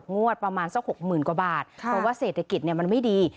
งวดประมาณสัก๖๐๐๐กว่าบาทเพราะว่าเศรษฐกิจมันไม่ดี